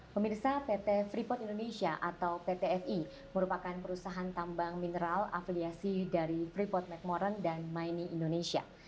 pemirsa pt freeport indonesia atau pt fi merupakan perusahaan tambang mineral afiliasi dari freeport mcmoran dan mini indonesia